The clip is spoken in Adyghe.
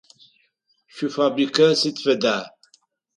Шъуифабрикэ сыд фэда?